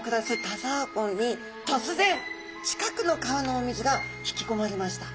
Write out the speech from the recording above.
田沢湖に突然近くの川のお水が引きこまれました。